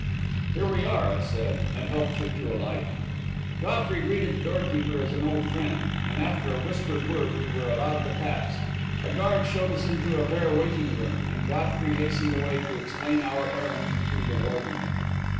"Here we are," I said, and helped her to alight. Godfrey greeted the door keeper as an old friend, and, after a whispered word, we were allowed to pass. A guard showed us into a bare waiting room, and Godfrey hastened away to explain our errand to the warden.